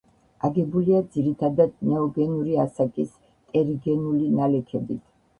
აგებულია ძირითადად ნეოგენური ასაკის ტერიგენული ნალექებით.